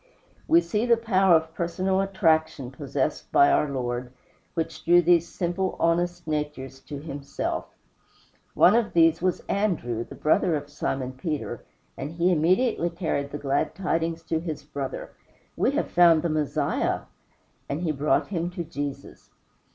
We see the power of personal attraction possessed by our Lord, which drew these simple, honest natures to himself. One of these men was Andrew, the brother of Simon Peter, and he immediately carried the glad tidings to his brother, "We have found the Messiah;" and he brought him to Jesus.